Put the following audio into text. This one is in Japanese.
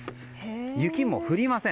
雪も降りません。